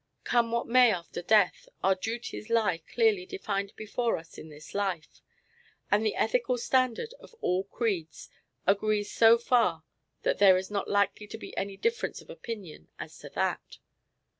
Come what may after death, our duties lie clearly defined before us in this life; and the ethical standard of all creeds agrees so far that there is not likely to be any difference of opinion as to that.